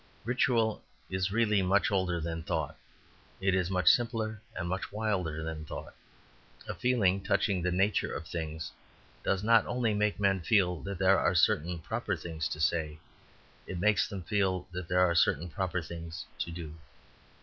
Ritual is really much older than thought; it is much simpler and much wilder than thought. A feeling touching the nature of things does not only make men feel that there are certain proper things to say; it makes them feel that there are certain proper things to do.